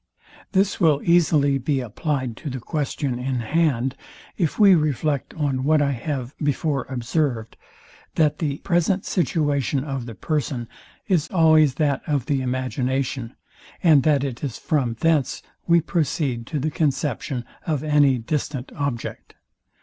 This will easily be applied to the question in hand, if we reflect on what I have before observed, that the present situation of the person is always that of the imagination, and that it is from thence we proceed to the conception of any distant object.